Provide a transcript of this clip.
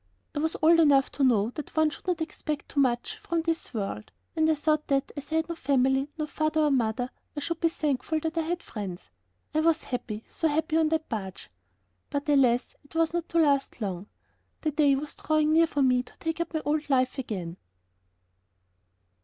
I was old enough to know that one should not expect to have too much from this world, and I thought that, as I had no family, no father or mother, I should be thankful that I had friends. And I was happy, so happy on that barge. But, alas! it was not to last long. The day was drawing near for me to take up my old life again.